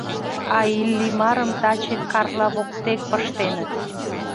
А Иллимарым таче Карла воктек пыштеныт.